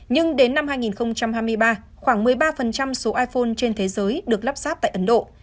nhưng đến năm hai nghìn hai mươi ba khoảng một mươi ba số iphone trên thế giới được lắp sáp tại ấn độ